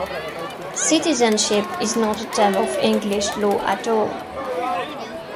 'Citizenship' is not a term of English law at all.